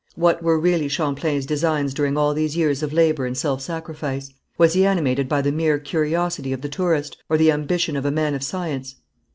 What were really Champlain's designs during all these years of labour and self sacrifice? Was he animated by the mere curiosity of the tourist, or the ambition of a man of science?